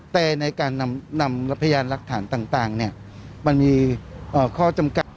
แต่ในการนำนำพยานรักฐานต่างต่างเนี่ยมันมีเอ่อข้อจำการ